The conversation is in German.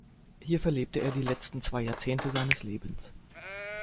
Hier verlebte er die letzten zwei Jahrzehnte seines Lebens.